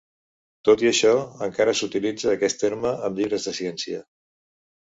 Tot i això, encara s'utilitza aquest terme en llibres de ciència.